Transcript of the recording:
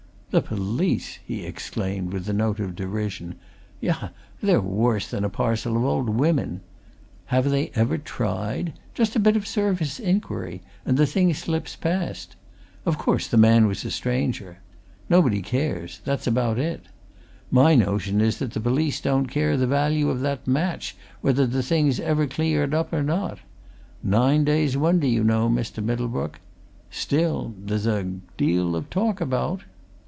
"The police!" he exclaimed, with a note of derision. "Yah! they're worse than a parcel of old women! Have they ever tried? Just a bit of surface inquiry and the thing slips past. Of course, the man was a stranger. Nobody cares; that's about it. My notion is that the police don't care the value of that match whether the thing's ever cleared up or not. Nine days' wonder, you know, Mr. Middlebrook. Still there's a deal of talk about."